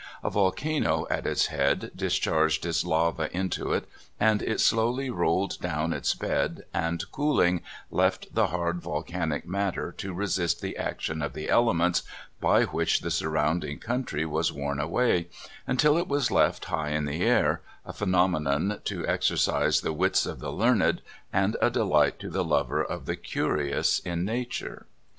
A volcano at its head discharged its lava into it, and it slowly rolled down its bed, and, cooling, left the hard vol canic matter to resist the action of the elements by which the surrounding country was worn away, until it was left high in the air, a phenomenon to exercise the wits of the learned, and a delight to the lover of the curious in nature.